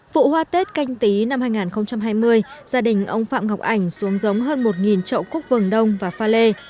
vụ hoa tết canh tí năm hai nghìn hai mươi gia đình ông phạm ngọc ảnh xuống giống hơn một trậu cúc vườn đông và pha lê